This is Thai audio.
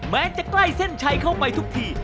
แม้จะใกล้เส้นชัยเข้าไปทุกที